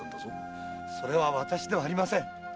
それは私ではありません。